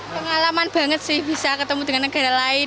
pengalaman banget sih bisa ketemu dengan negara lain